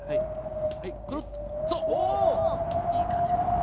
いい感じかな。